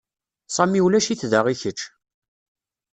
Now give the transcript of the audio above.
Sami ulac-it da i kečč.